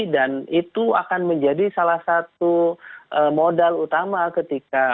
dan itu akan menjadi salah satu modal utama ketika